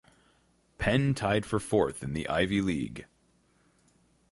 Penn tied for fourth in the Ivy League.